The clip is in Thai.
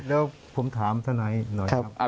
แล้วผมถามทนายหน่อยครับ